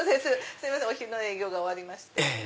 すいませんお昼の営業が終わりました。